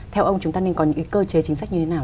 theo ông chúng ta nên có những cơ chế chính sách như thế nào